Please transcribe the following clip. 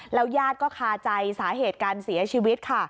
ยาดก็คาใจสาเหตุการเสียชีวิตค่ะ